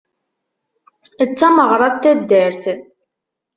D tameɣra n taddart.